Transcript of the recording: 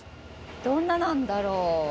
どんななんだろう。